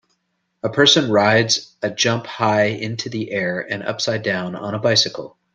A person rides a jump high into the air and upside down on a bicycle.